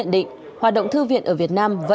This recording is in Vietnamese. mình có thể tạo ra